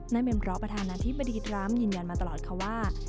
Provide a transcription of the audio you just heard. นั่นเป็นเพราะประธานาธิบดีตรัมยืนยันมาตลอดเขาว่า